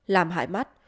làm hại mắt